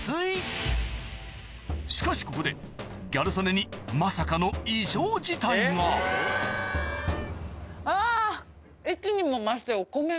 しかしここでギャル曽根にまさかの異常事態があぁ！